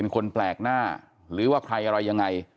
คนแปลกหน้าหรือว่าใครอะไรยังไง